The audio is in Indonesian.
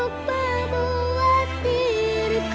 untuk membuat diriku